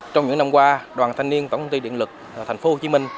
trong những năm qua đoàn thanh niên tổng công ty điện lực tp hcm